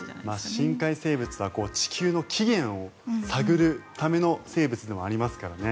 深海生物は地球の起源を探るための生物でもありますからね。